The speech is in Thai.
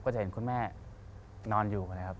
จะเห็นคุณแม่นอนอยู่นะครับ